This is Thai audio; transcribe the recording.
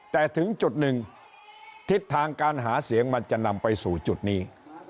แต่ถึงจุดหนึ่งทิศทางการหาเสียงมันจะนำไปสู่จุดนี้